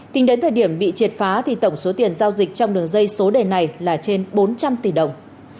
tính đến thời điểm bị triệt phá thì tổng số tiền giao dịch trong đường dây số đề này là trên bốn trăm linh tỷ đồng